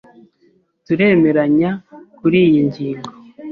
Turemeranya kuriyi ngingo.